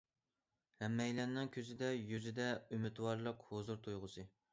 ھەممەيلەننىڭ كۆزىدە، يۈزىدە ئۈمىدۋارلىق، ھۇزۇر تۇيغۇسى.